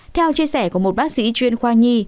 theo chia sẻ của một bác sĩ chuyên khoa nhi